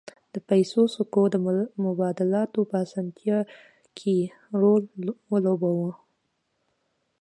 د پیسو سکو د مبادلاتو په اسانتیا کې رول ولوباوه